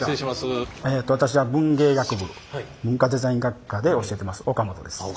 私は文芸学部文化デザイン学科で教えてます岡本です。